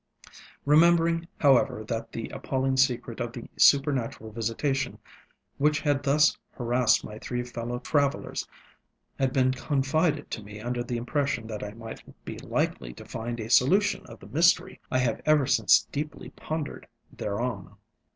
Remembering, however, that the appalling secret of the supernatural visitation which had thus harassed my three fellow travellers had been confided to me under the impression that I might be likely to find a solution of the mystery, I have ever since deeply pondered thereon.